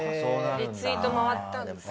リツイート回ったんだ。